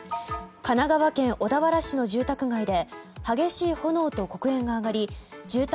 神奈川県小田原市の住宅街で激しい炎と黒煙が上がり住宅